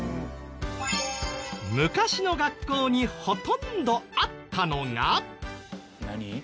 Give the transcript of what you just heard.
昔の学校にほとんどあったのが。